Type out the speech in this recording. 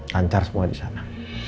lancar semua di sana